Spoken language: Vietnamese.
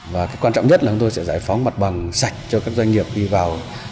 và quan trọng nhất là chúng tôi sẽ giải phóng mặt bằng sạch cho các doanh nghiệp đi vào